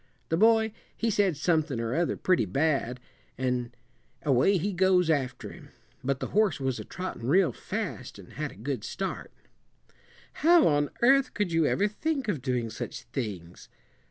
The boy, he said somethin' or other pretty bad an' away he goes after him; but the horse was a trottin' real fast, an' had a good start." "How on earth could you ever think of doing such things?"